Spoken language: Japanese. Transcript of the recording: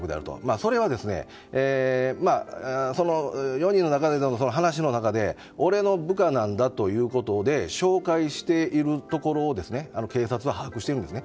それは、その４人の中での話の中で俺の部下なんだということで紹介しているところを警察は把握しているんですね。